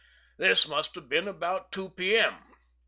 This must have been about 2 P.M.